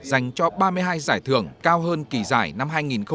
dành cho ba mươi hai giải thưởng cao hơn kỳ giải năm hai nghìn hai mươi ba